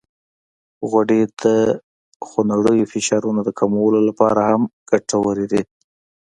غوړې د خونړیو فشارونو د کمولو لپاره هم ګټورې دي.